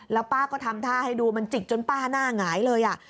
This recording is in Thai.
แล้วป้าก็ทำท่าให้ดูมันจิกจนป้าหน้าหงายเลย